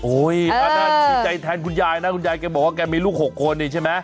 อันนั้นดีใจแทนคุณยายนะคุณยายแกบอกว่าแกมีลูก๖คนนี่ใช่ไหม